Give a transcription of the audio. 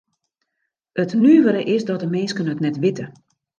It nuvere is dat de minsken it net witte.